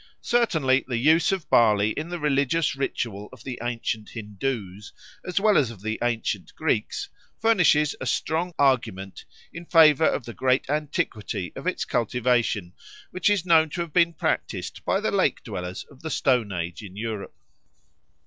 Certainly the use of barley in the religious ritual of the ancient Hindoos as well as of the ancient Greeks furnishes a strong argument in favour of the great antiquity of its cultivation, which is known to have been practised by the lake dwellers of the Stone Age in Europe.